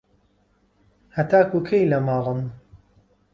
هەتاکوو کەی لە ماڵن؟